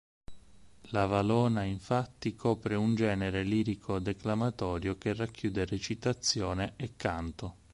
La valona infatti copre un genere lirico-declamatorio che racchiude recitazione e canto.